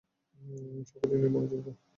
সকল ইউনিট, মনযোগ দাও।